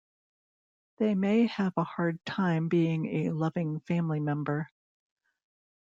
They may have a hard time being a loving family member.